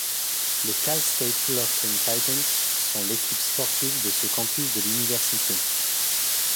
Les Cal State Fullerton Titans sont l'équipe sportive de ce campus de l'université.